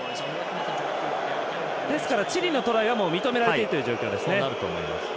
ですからチリのトライは認められているという状況ですね。